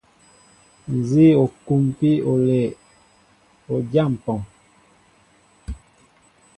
Nzi o kumpi olɛʼ, o dya mpɔŋ.